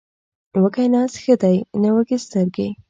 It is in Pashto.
وږی نس ښه دی، نه وږې سترګې.